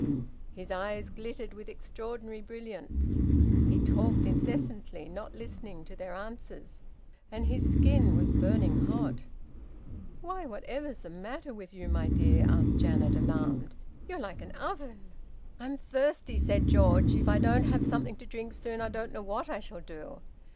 His eyes glittered with extraordinary brilliance. He talked incessantly, not listening to their answers. And his skin was burning hot. "Why, whatever's the matter with you, my dear?" asked Janet, alarmed. "You're like an oven!" "I'm thirsty," said George. "If I don't have something to drink soon, I don't know what I shall do."